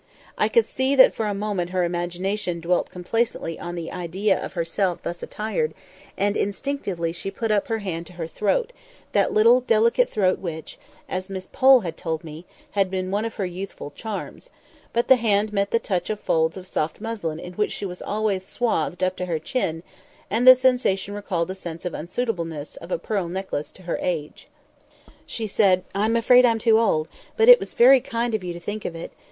I could see that for a moment her imagination dwelt complacently on the idea of herself thus attired; and instinctively she put her hand up to her throat—that little delicate throat which (as Miss Pole had told me) had been one of her youthful charms; but the hand met the touch of folds of soft muslin in which she was always swathed up to her chin, and the sensation recalled a sense of the unsuitableness of a pearl necklace to her age. She said, "I'm afraid I'm too old; but it was very kind of you to think of it.